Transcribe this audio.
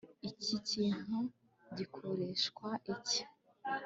Iki kintu gikoreshwa iki